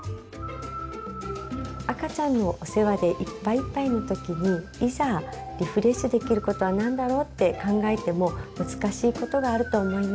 赤ちゃんのお世話でいっぱいいっぱいの時にいざリフレッシュできることは何だろうって考えても難しいことがあると思います。